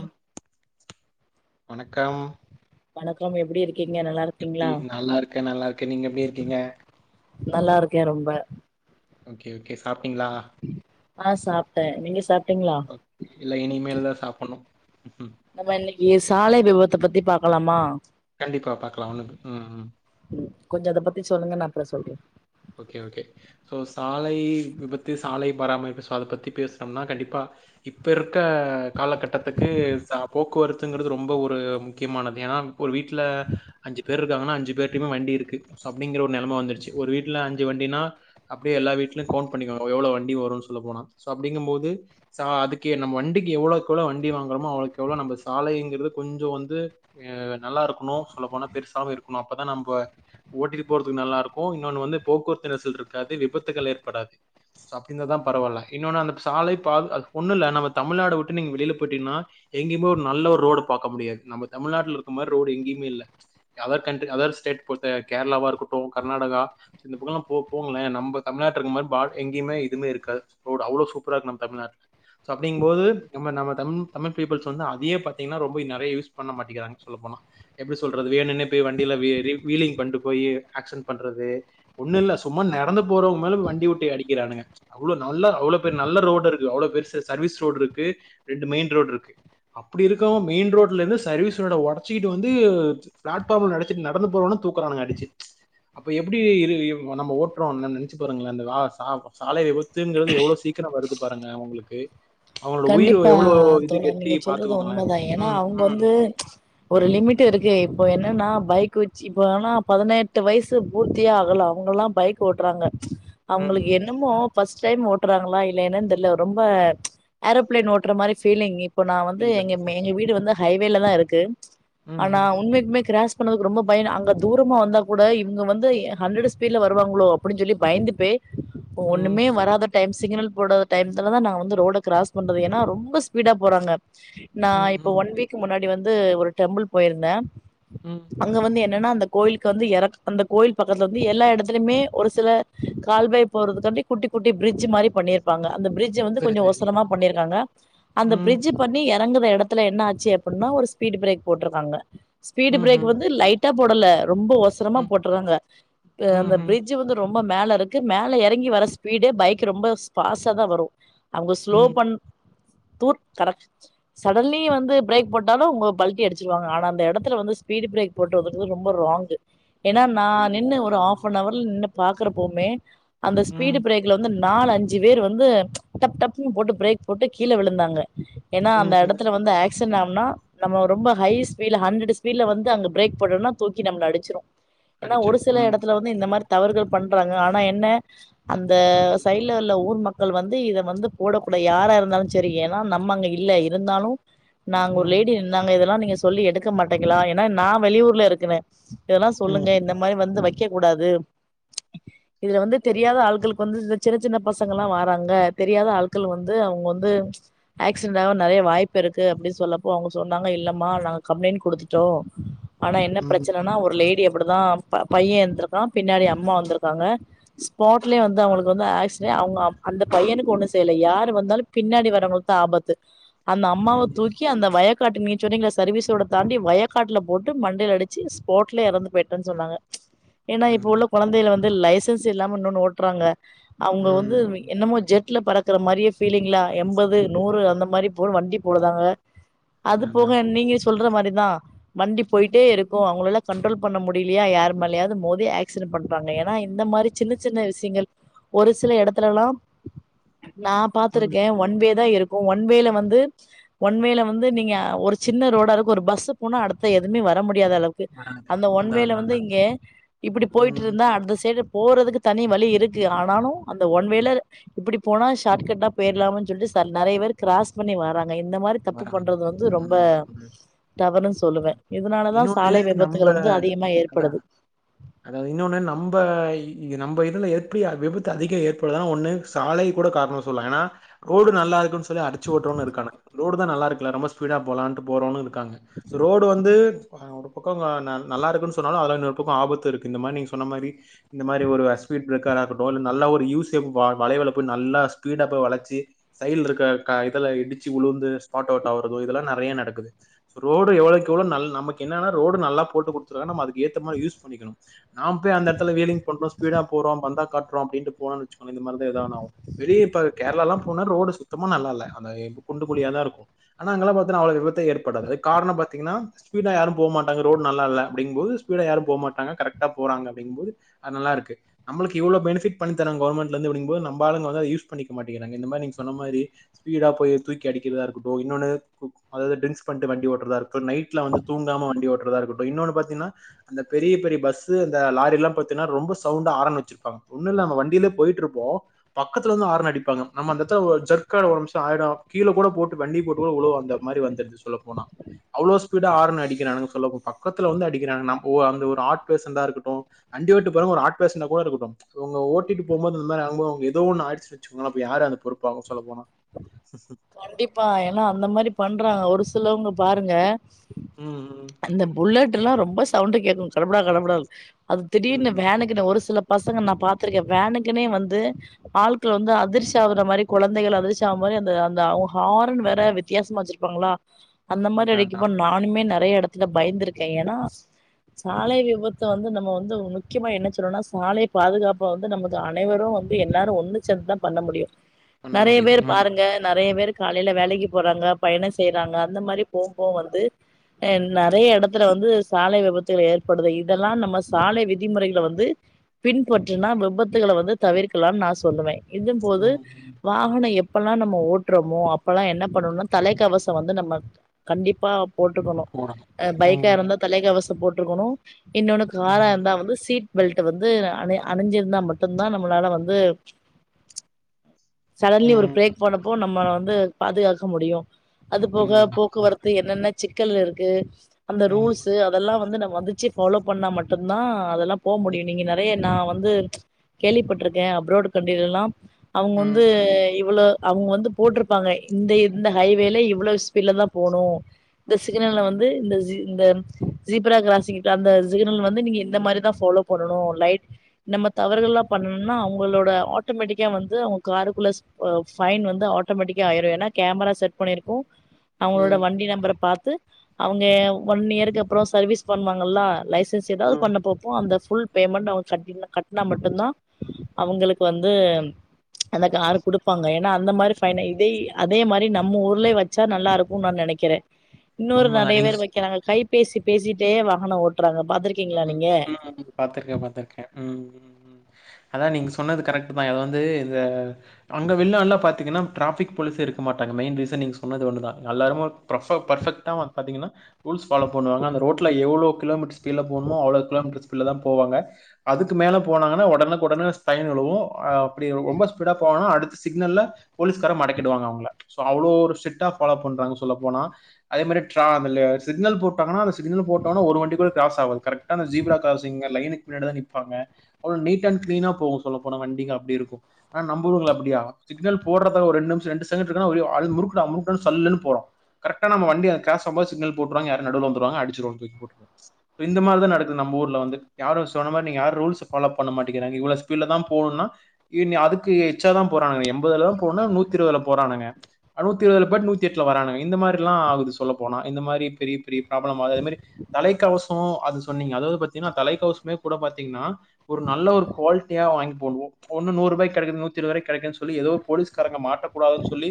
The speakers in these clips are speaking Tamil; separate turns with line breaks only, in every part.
ம் வணக்கம்
வணக்கம் எப்டி இருக் கீங்க நல்லாரு
எப்டி நல்லா இருக்கன் நல்லா இருக்கன் நீங்க எப்டி இருக்கீங்க
நல்லா இருக்கேன் ரொம்ப
ஓகே ஓகே சாப்ட்டிங்களா
ஆ சாப்டன் நீங்க சாப்
ஒ இல்ல இனிமேல் தா சாப்பணும்
நம்ம இன்னிக்கி சாலை விபத்த பத்தி பாக்கலாமா
கண்டிப்பா பாக்லா ஒண்ணு ம் ம்
கொஞ்ச அத பத்தி சொல்லுங்க நான் அப்றம் சொல்ற
ஓகே ஓகே ஸோ சாலை விபத்து சாலை பராமரிப்பு ஸோ அத பத்தி பேசுனோம்னா கண்டிப்பா இப்ப இருக்க காலகட்டத்துக்கு ச போக்குவரத்துங்கறது ரொம்ப ஒரு முக்கியமானது ஏன்னா ஒரு வீட்ல அஞ்சு பேர் இருக்காங்கன்னா அஞ்சு பேர்டயுமே வண்டி இருக்கு அப்டிங்கிற ஒரு நிலம வந்துருச்சு ஒரு வீட்டு வீட்ல அஞ்சு வண்டினா அப்டியே எல்லா வீட்லய கவுண்ட் பண்ணிக்கோங்க எவ்ளோ வண்டி வரும்னு சொல்ல போனா அப்டிங்கும்போது ச அதுக்கு என்னம நம்ம வண்டிக்கு எவ்ளோக்கெவ்ளோ வண்டி வாங்குறோமோ அவ்ளோக்கவ்ளோ நம்ம சாலைங்கிறது கொஞ்சம் வந்து அ நல்லா இருக்கணு சொல்ல போனா பெருசாவும் இருக்கணு அப்பதா நம்ம ஓட்டிட்டு போறதுக் நல்லா இருக்கூ இன்னொன்னு வந்து போக்குவரத்து நெரிசல் இருக்காது விபத்துகள் ஏற்படாது சோ அப்டிந்தாதா பரவால்ல இன்னொன்னு அந்த சாலை பாத் அது ஒண்ணுல்ல நம்ம தமிழ்நாட உட்டு நீங்க வெளில பொய்ட்டிங்கனா எங்கயுமோ நல்ல ஒரு ரோடு பாக்க முடியாது நம்ம தமிழ்நாட்டுல இருக்க மாரி ரோடு எங்கெயுமே இல்ல அதர் கண்ட்டு அதர் ஸ்டேட் பொர்த்த கேரளாவா இருக்கட்டூ கர்நாடகா இந்த பக்கொலா பொ போங்களே நம்ப தமிழ்நாட் இருக்க மாரி பா எங்கயுமே எதுமே இருக்காது ரோட் அவ்ளோ சூப்பரா இருக் நம்ம தமிழ்நாட்ல சோ அப்டிங் போது நம்ம நம்ம தம் தமிழ் பீப்புள்ஸ் வந்து அதயே பாத்திங்கனா ரொம்ப நெறயா யூஸ் பண்ண மாட்டிக்கிறாங்க சொல்லப்போனா எப்டி சொல்றது வேணுனே போய் வண்டில வீரி வீலிங் பண்ட்டு போயி ஆக்சிடெண்ட் பண்றதூ ஒண்ணு இல்ல சும்மா நடந்து போறொவங்க மேல வண்டிவுட்டு அடிக்கிறானுக அவ்ளோ நல்லா அவ்ளோ பெர் நல்ல ரோடு இருக்கு அவ்ளோ பெருசு சர்வீஸ் ரோடுருக்கூ ரெண்டு மெயின் ரோடுருக்கூ அப்டி இருக்கவு மெயின் ரோட்ல இருந்து சர்வீஸ் ரோட ஒடச்சிகிட்டு வந்தூ பிளாட்ஃபாம நெனச்சிட் நடந்து போறவன தூக்குறானுக அடிச்சி அப்ப எப்டி இரு டுயும் நம்ம ஓட்டுறோன்னெ நெனச்சி பாருங்கலே அந்த அ சா சாலை விபத்துங்குறது எவ்ளோ சீக்ரோ வருது பாருங்க அவங்களுக்கு எ
கண்டிப்பா தோழர் நீங்க சொல்றது
பாத்துக்கோங்களேன்
உண்மதா ஏனா
ம்
அவங்க
ம்
வந்து ஒரு லிமிட் இருக்கு இப்பொ என்னன்னா பைக் வச் இப்ப ஆனா பதினெட்டு வயசு பூர்த்தியே ஆகல அவங்கலா பைக் ஓட்றாங்க
ம்
அவுங்களுக்கு
ம்.
என்னமோ ஃபர்ஸ்ட் டைம் ஓட்றாங்ளா இல்ல என்னன் தெர்ல ரொம்ப ஏரோப்பிளைன் ஓட்டுற மாரி ஃபீலிங் இப்ப நா வந்து
புரியல
எங்க மெ எங்க வீடு வந்து ஹைவேலதா இருக்கு
ம்
ஆனா
ம்
உண்மைக்மே கிராஸ் பண்ணதுக்கு ரொம்ப பயனு அங்க தூரமா வந்தா கூட இவங்க வந்து ஹண்ரடு ஸ்பீட்ல வருவாங்ளோ அப்டின் சொல்லி பயந்துப்பே இப்ப
ம்
ஒண்ணுமே வராத டைம் சிகுனல் போடாத டைம்த்துலதா நா வந்து ரோட கிராஸ் பண்றது ஏனா ரொம்ப ஸ்பீடா போறாங்க நா
ம்
இப்ப
ம்
ஒன் வீக் கு முன்னாடி வந்து ஒரு டெம்புள் பொயிருந்தே
ம்.
அங்க வந்து என் னனா அந்த கோயிலுக்கு வந்து எறக் அந்த கோயில் பக்கத்லர்ந்து எல்லா எடத்துலய்மே ஒரு சில கால்வாய் போறதுக்காண்டி குட்டி குட்டி பிரிட்ஜி மாரி பண்ணிர்ப்பாங்க அந்த பிரிட்ஜ வந்து
சரி
கொஞ்சொ
சரி
ஒசரமா பண்ணிருக்காங்க அந்த
ம்
பிரிட்ஜு பண்ணி எறங்குற எடத்துல என்ன ஆச்சி அப்புட்னா ஒரு ஸ்பீடு பிரேக் போட்ருக்காங்க ஸ்பீடு
ம்
பிரேக்கு
ம்
வந்து லைட் டா போடல ரொம்ப ஒசரமா
ம்
போட்ருறாங்க க
ம்
அந்த
ம்
பிரிட்ஜு வந்து ரொம்ப மேலருக்கு மேல எறங்கி வர ஸ்பீடே பைக் ரொம்ப ஃபாஸ்டாதா வரூ அவங்க ஸ்லோ
ம் ம்
பண் தூ கடெ சடன்லீ வந்து பிரேக் போட்டாலூ அவுங்க பல்ட்டி அடிச்ருவாங்க ஆன அந்த எடத்துல வந்து ஸ்பீடு பிரேக் போட்டதுங்கு ரொம்ப ராங்கு ஏனா நா நின்னு ஒரு ஹாப்
ம்
அ நவர்ல நின்னு பாக்குறப்போமே அந்த ஸ்பீடு பிரேக் க்ல வந்து நாலஞ்சு பேரு வந்து டப் டப்னு போட்டு பிரேக் போட்டு கீழ விழுந்தாங்க ஏனா
ம்
அந்த
ம்.
எடத்துல வந்து ஆக்சின்ட் ஆன்னா நம்ம ரொம்ப ஹை ஸ்பீட்ல ஹண்ரடு ஸ்பீட்ல வந்து அங்க பிரேக் போட்டோனா தூக்கி நம்ள அடிச்சிரூ எனா ஒரு
அடிச்சிரும்
சில
ம்
எடத்துல வந்து இந்த
ம்
மாரி தவறுகள் பண்றாங்க ஆனா என்ன அந்த
ம்
சைல் இல்லல்ல ஊர் மக்கள் வந்து இத வந்து போடக்கூடா யாரா இருந்தாலு செரி ஏனா நம்ம அங்க இல்ல இருந்தாலு நா அங்க ஒரு
ம்
லேடி இருந்தாங்க இதெல்லா நீங்க சொல்லி எடுக்க மாட்டெங்களா ஏனா நா வெளியூர்ல இருக்குனே இப்ப இதெல்லா
ம்
சொல்லுங்க இந்த மாரி வந்து வைக்க கூடாதூ இதுல வந்து தெரியாத ஆள்களுக்கு வந்து இந்த சின்ன சின்ன பசங்கலா வாராங்க தெரியாத ஆள் கள் வந்து அவொங்க வந்து ஆக்சிடெண்ட் ஆவ நெறையா வாய்ப்பிருக்கு அப்டி சொல்லப்போ அவொங்க சொன்னாங்க இல்லமா நாங்க கம்ப்ளைண்ட் குடுத்துட்டோ ஆனா என்ன
ம்
பிரச்சனனா
ம்
ஒரு லேடி அப்புடுதா ப பையெ இர்ந்துருக்கா பின்னாடி அம்மா வந்ருக்காங்க ஸ்பாட்லே வந்து அவங்களுக்கு வந்து ஆக்சிடெ அவுங்க அந்த பையனுக்கு ஒண்ணுஸ் இதுல யாரு வந்தாலு பின்னாடி வரவங்களுக்கு ஆபத்து அந்த அம்மாவ
ம்
தூக் கி அந்த வயக்காட்டு நீங்க சொன்னீங்ல சர்வீஸ் ரோட்ட தாண்டி வயக்காட்ல போட்டு மண்டல அடிச்சு ஸ்பாட்லயே எறந்து போயிட்டேன் சொன்னாங்க ஏன்னா
அதான்
இப்ப உள்ள
அதான்
குழந்தைல வந்து லைசன்ஸ் இல்லாம இன்னொன்னு ஓட்றாங்க
ம்
அவுங்க வந்து
ம்
என்னமோ ஜெட்ல பறக்குற மாரியே ஃபீலிங்லா எம்பது நூறு அந்த மாரி போ வண்டி போலதாங்க அது
அதான்
போக
அதான்
நீங்க சொல்ற மாரிதா வண்டி போயிட்டே இருக்கு அவங்களால கன்ட்ரோல் பண்ண முடியலையா யார் மேலயாவது மோதி ஆக்சிடென் பண்றாங்க ஏன்னா இந்த மாரி சின்ன சின்ன விஷயங்கள் ஒரு சில எடத்துலலாம் நா
ம்
பாத்திருக்கே ஒன் வே தா இருக்கு ஒன் வேல வந்து ஒன் வேல வந்து நீங்க ஒரு சின்ன ரோடா இருக்கு ஒரு பஸ்சு போனா அடுத்த எதுமே வர முடியாத அளவு க்கு
வராது.
அந்த
அதான்
ஒன்வேல
அதான்
வந்து
அதான்
இங்க இப்புடி
ம்
போயிட்ருந்தா அந்த சைடு போறதுக்கு தனி வழிஇருக்கு ஆனாலு அந்த ஒன் வேல இப்படி போனா ஷார்ட் கட்டா போயிர்லாமா சொல்ட்டு ச நெறைய வேர் கிராஸ் பண்ணி வாறாங்க இந்த மாரி தப்பு
வராது.
பண்றது வந்து ரொம்ப
ம் ம்.
தவறுன் சொல்லுவே இதனாலதா
இன்னொன்னு
சாலை விபத்துகள் வந்து அதிகமா ஏற்படுது
அ இன்னொன்னு நம்ப இ நம்ப இதுல எப்டி விபத்து அதிக ஏற்படுதுனா ஒண்ணு சாலையக் கூட காரணோ சொல்லா ஏனா ரோடு நல்லா இருக்குன் சொல்லி அடுச்சு ஓட்றவனு இருக்கானு ரோடு தா நல்லா இருக்குல ரொம்ப ஸ்பீடா போலான்ட்டு போறவனு இருக்காங்க ஸோ ரோடு வந்து ப ஒரு பக்கோங்க நல் நல்லா இருக்குன் சொன்னாலு அதுல இன்னொரு பக்கோ ஆபத்து இருக்கு இந்த மாரி நீங்க சொன்ன மாரி இந்த மாரி ஒரு வே ஸ்பீட் பிரேக்கர் ஆ இருக்கட்டு இல்ல நல்லா ஒரு யூ சேப் வ வளைவுல போய் நல்லா ஸ்பீடா போய் வளச்சி சைல் இருக்க கா இதலா இடிச்சு உழுந்து ஸ்பாட் அவுட் ஆவறதோ இதெல்லா நெறையா நடக்குது சோ ரோடு எவ்ளோக் எவ்ளோ நல் நமக்கு என்னான ரோடு நல்லா போட்டு குடுத்துருக்காங்க நம்ம அதுக்கு ஏத்த மாரி யூஸ் பண்ணிக்கனு நாம போய் அந்த எட்த்துல வீலிங் பண்றோ ஸ்பீடா போறோ பந்தா காட்றோ அப்பிடின்டு போனோ வச்சக்கோங்ளே இந்த மாரி தா எதா ஒண்ணு ஆவு வெளிய இப்ப கேரளாலாம் போனா ரோடு சுத்தமா நல்லா இல்ல அந்த குண்டு குழியாதா இருக்கு ஆனா அங்கலா பாத்தனா அவளோ விபத்தே ஏற்படாது அதுக் காரணோ பாத்தீங்ன்னா ஸ்பீடா யாரும் போமாட்டங்க ரோடு நல்லா இல்ல அப்டிங்கும் போது ஸ்பீடா யாரும் போ மாட்டாங்க கரெக்ட்டா போறாங்க அப்டிங்கும் போது அது நல்லாருக்கு நம்பளுக்கு இவ்ளோ பெனிஃப்பிட் பண்ணி தரங்க கவர்மெண்ட்லந்து இப்டிங்கும் போது நம்ப ஆளுங்க வந்து அத யூஸ் பண்ணிக்க மாட்டிங்றாங்க இந்த மாதிரி நீங்க சொன்ன மாரி ஸ்பீடா போய் தூக்கி அடிக்கிறதா இருக்கட்டு இன்னொன்னு அதாது ட்ரிங்க்ஸ் பண்ணிட்டு வண்டி ஓட்றதா இருக் இப்ப நைட்ல வந்து தூங்காம வண்டி ஓட்றதா இருட்டு இன்னொன்னு பாத்தீனா அந்த பெரிய பெரிய பஸ்ஸு அந்த லாரில்லாம் பாத்தீனா ரொம்ப சவுண்டா ஆரன் வச்சிருப்பாங்க ஒன்னுல்ல நம்ம வண்டில போயிட்ருப்போ பக்கத்துல வந்து ஆரன் அடிப்பாங்க நம்ம அந்த எட்த்துல ஒ ஜர்க்கா ஒரு நிமிசோ ஆயிடு கீழ கூட போட்டு வண்டிய போட்டு கூட உழுவ அந்த மாரி வந்துருது சொல்ல போனா அவ்ளோ ஸ்பீடா ஆரன் அடிக்கிறானுக சொல்லப்போ பக்கத்துல வந்து அடிக்கிறானுக நம் ஓ அந்த ஒரு ஆர்ட் பேசண்டா இருக்கட்டு வண்டி ஓட்டி போறவங்க ஒரு ஆர்ட் பேசன்ட்டா கூட இருக்கட்டு அவுங்க ஓட்டிட்டு போ போது இந்த மாரி ஆகும் போது ஏதோ ஒன்னு ஆயிடுச் சுங்களா அப்ப யாரு அந்த பொறுப்பாகு சொல்லப்போனா
கண்டிப்பா ஏன்னா அந்த மாரி பண்றாங்க ஒரு சிலவங்க பாருங்க
ம் ம்
அந்த புல்லட்ல்லா ரொம்ப சவுண்டு கேக்கு கடமுடா கடமுடா அது
ம்
திடீர்னு
ம்
வேணுக்குனு ஒரு சில பசங்க நா பாத்ருக்கே வேணுக்குனே வந்து ஆள்கள் வந்து அதிர்ச்சி ஆகற மாரி கொழந்தைகள் அதிர்ச்சி ஆ மாரி அந்த அ ந்த அவுங்க ஹாரன் வேற வித்தியாசமா வச்சிருப்பாங்ளா அந்த மாரி
அதான்
அடிக்குப்ப
அதான்
நானுமே நெறைய எடத் துல பயந்திருக்கே ஏனா சாலை
ம்
விபத்த வந்து நம்ப வந்து உ முக்கியமா என்ன சொல்லனுனா சாலை பாதுகாப்ப வந்து நமது அனைவரு வந்து எல்லாரு ஒண்ணு சேந்துதா பண்ண முடியு
பண்ண
நெறைய
முடியும்
வேர்
ம்
பாருங்க நெறைய பேர் காலைல வேலைக்கு போறாங்க பயணம் செய்யிறாங்க அந்த மாதிரி போம் போது வந்து என்
ம்
நெறைய எடத் த்துல வந்து சாலை விபத்துகள் ஏற்படுது இதெல்லா நம்ம சாலை விதிமுறைகளை வந்து பின்பற்றுனா விபத்துகள வந்து தவிர்க்கலாம் நா சொல்லுவே இதும் போது
ம் ம்
வாகனம் எப்பெல்லா நம்ப ஓட் ட்டுறோமோ அப்பல்லா என்ன பண்ணணுனா தலைக்கவச வந்து நம்ம கண்டிப்பா போட்டுக்கணும்
போடணும்
பைக்கா இருந்தா
ம்
தலைக்கவசம் போட்டுருக்கணும் இன்னொன்னு காரா
ம் ம்
இருந்தா வந்து சீட் பெல்ட் வந்து அணி அணிஞ்சிருந்தா மட்டுந்தா நம்மளால வந்து சடன்லி ஒரு
ம்.
பிரேக் போடப்போ நம்ம வந்து பாதுகாக்க முடியு அது போக
உண்மதான்.
போக்குவரத் து என்னென்ன சிக்கல் இருக்கு அந்த ரூல்ஸ்
ம்.
து அதெல்லாம் வந்து மதிச்சி பாலோ பண்ணா மட்டுந்தா அதெல்லா போ முடியும்
ம்.
நீங்க ந நெறைய நா வந்து கேள்விப்பட்டிருக்கேன் அப்ராட் கண்ட்ரிலல்லா அவுங்க வந்து
ம்.
இவ்ளோ அவுங்க வந்து போட்ருப்பாங்க இந்த இந்த ஹைவேல இவ்ளோ ஸ்பீட்ல தா போணு இந்த சிக்னல்ல வந்து இந்த ஜீ இந்த ஜீப்ரா க்ராசிங் அந்த சிக்னல் வந்து நீங்க இந்த மாதிரி தான் ஃபாலோப் பண்ணணும் லைட் நம்ம தவறுகள்லா பண்ணணும்னா அவுங்களோட ஆட்டோமேட்டிக்கா வந்து அவுங்க காருக்குள்ள ஸ் ஃபைன் வந்து ஆட்டோமேட்டிக்கா ஆயிரு ஏனா கேமரா செட் பண்ணிருக்கு அவுங்களோட
ம்.
வண்டி நம்பரை பாத்து அவுங்க எ ஒன் இயருக்கு அப்புறம் சர்வீஸ் பண்ணுவாங்கல்லா லைசன்ஸ் ஏதாவது பண்ண
ம்.
போ அந்த ஃபுல் பேமெண்ட் அவுங்க கட்டி கட்னா மட்டும்தான் அவுங்களுக்கு வந்து அந்த கார குடு ஏனா அந்த மாதிரி ஃபைன் இதே அதே மாதிரி நம்ம ஊர்லயே வச்சா நல்லா இருக்கும்னு நா நெனைக்கிறேன் இன்னொரு
உண்மதான்.
நெறைய
நீங்க
பேர்
சொ
வக்கிறாங்க கை பேசி பேசிட்டே வாகனம் ஓட்டுறாங்க பாத்துருக்கீங்களா நீங்க
பாத்துருக்கே பாத்துருக்கே ம் அதா நீங்க சொன்னது கரெக்டு தா அது வந்து இந்த அங்க வில்லால பாத் த்திங்கனா ட்ராஃபிக் போலீஸே இருக்க மாட்டங்க மெயின் ரீசன் நீங்க சொன்னது ஒன்னு தா எல்லா இடழும் ப்ரஃபோ பர்ஃபக்டா பாத்திங்கனா ரூல்ஸ் ஃபாலோ பண்ணுவாங்க அந்த ரோட்ல எவ்ளோ கிலோமீட்டர் ஸ்பிட்ல போனுமோ அவ்ளோ கிலோமீட்டர் ஸ்பீட்ல தான் போவாங்க அதுக்கு மேல போனாங்கன்னா உடனக்கு உடனே ஸ்பைன் விழுகு அப்டி ரொம்ப ஸ்பீடா போனனா அடுத்த சிக்னல்ல போலீஸ்கார மடக்கிடுவாங்க அவுங்கள சோ அவ்ளோ ஒரு சிட்டா ஃபாலோ பண்றாங்க சொல்ல போனா அதே மாரி ட்ரா அந்த லே சிக்னல் போட்டாங்கன்னா அந்த சிக்னல் போட்டவுன ஒரு வண்டி கூட க்ராஸ் ஆவாது கரெக்டா அந்த ஜீப்ரா க்ராஸிங்க லைனுக்கு பின்னாடி தா நிப்பாங்க அவ்வளவு நீட் அண்ட் கிளீனா போகும் சொல்ல போன வண்டிங்க அப்டி இருக்கு ஆனா நம்ப ஊர்ல அப்டியா சிக்னல் போறத ஒரு ரெண்டு நிமிஷம் ரெண்டு செகண்டு இருக்குனா அப்டியே முறுக்குடா முறுக்குடா சல்லுனு போறோ கரெக்ட நம்ம வண்டிப க்ராஸ் அப்போ சிக்னல் போட்டுருவாங்க யாரா நடுவுல வந்துருவங்க அடிச்சு ரோட்ல போட்டுரு இப்ப இந்த மாதிரி தா நடக்குது நம்ம ஊர்ல வந்து யாரும் சொன்ன மாரி நீங்க யாரும் ரூல்ஸ் ஃபாலோ பண்ண மாட்டேங்கிறங்க இவ்ளோ ஸீபீடுல தா போனுன்னா இனி அதுக்கு எச்சாதா போறானுங்க எம்பதுலதா போறம்ன நூத்தி இருபதுல போறானுங்க அறுவத்தி ஏழுல போயிட்டு நூத்தி எட்டுல வறானுங்க இந்த மாரில்லா ஆகுது சொல்ல போனா இந்த மாரி பெரிய பெரிய ப்ராப்ளம் ஆவுது அதேமாரி தலைக்கவசம் அது சொன்னீங்க அதாவது பாத்தீங்கன்னா தலைக்கவசமே கூட பாத்தீங்கன்னா ஒரு நல்ல ஒரு குவாலிட்டியா வாங்கி போடுவோ ஒன்னு ‌நூரு ருபாய் கிடைக்குது நூத்திஇருபது ரூவாய்க்கு கிடைக்குது சொல்லி ஏதோ போலீஸ்காரங்க மாட் ட்ட கூடாதுன்னு சொல்லி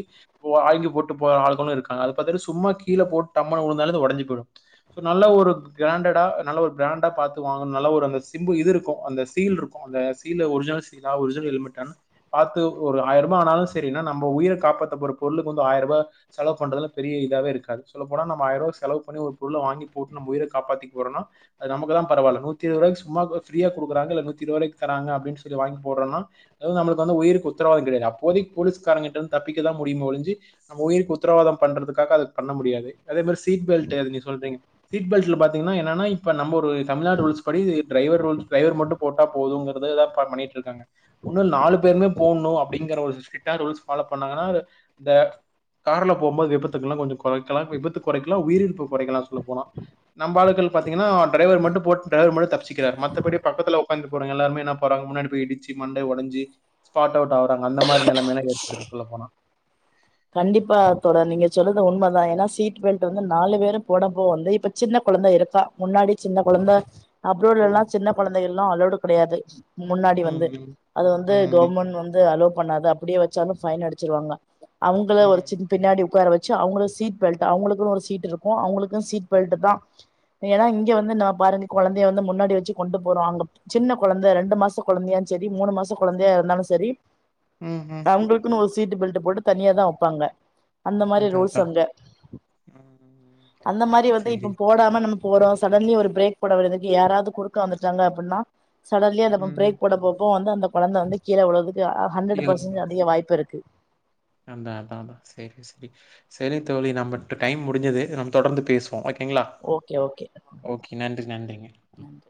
வாங்கி போட்டு போற ஆளுகளும் இருக்காங்க அது பாத்தன சும்மா கீழ போட்டு டம்ன்னு உழுந்தாலே அது உடஞ்சு போயிடு நல்ல ஒரு கிராண்டடா நல்ல ஒரு பிராண்டா பாத்து வாங்கனு நல்ல ஒரு அந்த சிம்பு இது இருக்கும் அந்த சீல் இருக்கு அந்த சீல ஒரிஜினல் சீலா ஒரிஜினல் ஹெல்மெட்டானு பாத்து ஒரு ஆயிர ரூபா ஆனாலு சரி ஏனா நம்ம உயிர காப்பாத்த போற பொருளுக்கு வந்து ஆயிர ரூபா செலவு பண்றதுல பெரிய இதாவே இருக்காது சொல்ல போனா நம்ம ஆயர்ரூவா செலவு பண்ணி ஒரு பொருள வாங்கி போட்டு நம்ம உயிர காப்பாத்திக்க போறோனா அது நமக்குதா பரவால்ல நூத்தி இருவது ரூவாய்கு சும்மா இப்ப ப்ரீயா குடுக்குறாங்க இல்ல நூத்தி இருவதுரூவாக்கு தராங்க அப்டின் சொல்லி வாங்கி போட்றோனா அது நம்மளுக்கு வந்து உயிருக்கு உத்தரவாத கெடையாது அப்போதைக்கு போலீஸ்காரங்க் கிட்டருந்து தப்பிக்கதா முடியுமே ஒழிஞ்சி நம்ம உயிருக்கு உத்ரவாத பண்றதுக்காக அது பண்ண முடியாது அதே மாரி சீட் பெல்ட் அது நீ சொல்றீங்க சீட் பெல்ட் ட்ல பாத்தீங்னா என்னனா இப்ப நம்ம ஒரு தமிழ்நாடு ரூல்ஸ் படி டிரைவர் ரூல்ஸ் டிரைவர் மட்டு போட்டா போதுங்கறத எதா பண் பண்ணிட் ட்ருக்காங்க ஒன்னு நாலு பேருமே போட்ணு அப்டிங்கற ஒரு ஸ்ட்ரிக்டா ரூல்ஸ் ஃபாலோ பண்ணாங்கனா அத இந்த கார்ல போம்போது விபத்துக்கல கொஞ்ச கொறைக்கலா விபத்து கொறைக்கலா உயிரிழிப்ப கொறைக்கலா சொல்லப் போனா நம்பாளுக்கள் பாத்திங்கனா டிரைவர் மட்டு போட்டு டிரைவர் மட்டு தப்ச்சிக்கிறாரு மத்தபடி பக்கத்துல ஒக்காந்து போறவ்ங்க எல்லாருமே என்னா பண் ன் போறாங்க முன்னாடி போய் இடிச்சி மண்ட ஒடைஞ்சு ஸ்பாட் அவுட் ஆகுறாங்க அந்த மாரி நெலைமதா ஏற்படுது இதுக்குள்ள போனா
கண்டிப்பா தோழர் நீங்க சொல்றது உண்மதா ஏனா சீட் பெல்ட்டு வந்து நாலு பேரு போட போ வந்து இப்ப சின்ன கொழந்த இருக்கா முன்னாடி சின்ன கொழந்த அப்ரோட்லலா
ம்
சின்ன கொழந்தையெல்லா அளோடு கெடையாது முன்னாடி வந்து
ம்
அது வந்து
ம்
கவர்மெண்ட் வந்து அலோ‌பண்ணாது அப்டியே வச்சாலு ஃபைன் அடிச்சிருவாங்க அவுங்கள ஒரு
ம்
சின் பின்னாடி உக்காரவெச் சு அவுங்களுக்கு சீட் பெல் அவ்ங்களுக்குனு ஒரு சீட் இருக்கு அவ்ங்களுக்கு சீட் பெல்ட்டு தா ஏனா இங்க வந்து நா‌ பாருங்க கொழந்தைய வந்து முன்னாடி வெச்சு கொண்டு போறோ அங்க சின்ன கொழந்த ரெண்டு மாச கொழந்தையான் செரி மூணு மாச கொழந்தையா இருந்தாலு செரி
ம் ம்
உங்களுக்குன்னு ஒரு சீட்டு பெல்ட்ட போட்டு தனியா தா வப்பாங்க அந்த மாரி
அதான்
ரூல்ஸ்
அதான்
அங்க
ம்
அந்த மாரி வந்து
சரி
இப்ப போடாம நம்ம போறோ சடன்லி ஒரு பிரேக் போட வரதுக்கு யாராவ்து குறுக்க வந்துட்டாங்க அப்பிட்ணா சடன்லியா அந்த நா
ம்
பிரேக் போட பாப்போ வந்து அந்த கொழந்த வந்து கீழ வுழற்துக்கு ஆ ஹன்ரடு பர்சன்ட் அதிக வாய்ப்பு இருக்கு
அந்த அதா அதா சேரி சேரி செரி தோழி நம்மட் டைம் முடிஞ்சது நம்ம தொடர்ந்து பேசுவோ ஓகேங்ளா
ஓகே ஓகே
ஓகே நன்றி நன்றிங்க
நன்றி